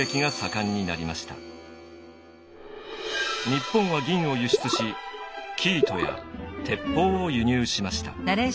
日本は銀を輸出し生糸や鉄砲を輸入しました。